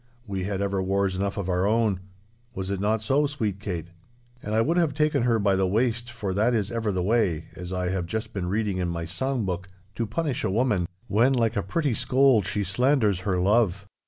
We had ever wars enough of our own. Was it not so, sweet Kate?' And I would have taken her by the waist, for that is ever the way, as I have just been reading in my song book, to punish a woman, when like a pretty scold, she slanders her love.